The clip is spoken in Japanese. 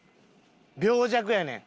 病弱やねん。